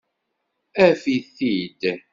Af-it-id.